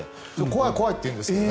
怖い、怖いって言うんですけど。